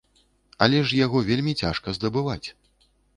Але ж яго вельмі цяжка здабываць.